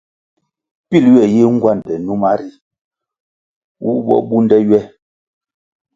Pil ywe yi ngwande numa ri, wu bo bunde ywe.